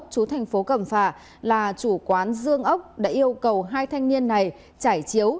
chú thành phố cẩm phả là chủ quán dương ốc đã yêu cầu hai thanh niên này trải chiếu